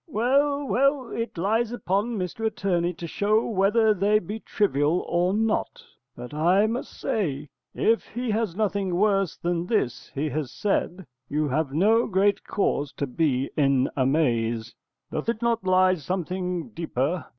_ Well, well, it lies upon Mr Attorney to show whether they be trivial or not: but I must say, if he has nothing worse than this he has said, you have no great cause to be in amaze. Doth it not lie something deeper?